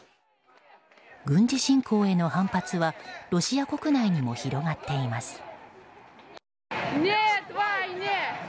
軍事侵攻への反発はロシア国内にも広がっています。